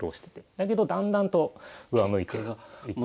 だけどだんだんと上向いていった。